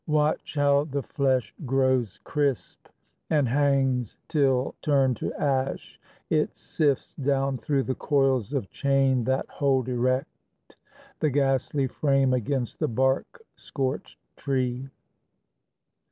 Watch how the flesh Grows crisp and hangs till, turned to ash, it sifts Down through the coils of chain that hold erect The ghastly frame against the bark scorched tree.